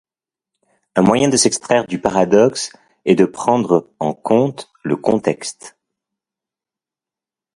Un moyen de s'extraire du paradoxe est de prendre en compte le contexte.